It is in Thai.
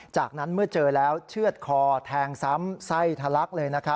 จากนั้นเมื่อเจอแล้วเชื่อดคอแทงซ้ำไส้ทะลักเลย